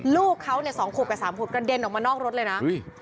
ลูกเขาเนี่ยสองขุบกับสามขุบกระเด็นออกมานอกรถเลยนะ